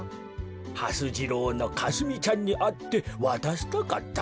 はす次郎のかすみちゃんにあってわたしたかったカメ。